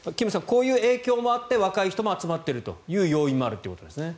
こういう影響もあって若い人も集まっているという要因もあるということですね。